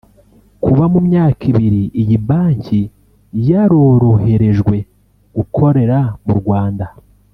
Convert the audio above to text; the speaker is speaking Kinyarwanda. Kuba mu myaka ibiri iyi banki yaroroherejwe gukorera mu Rwanda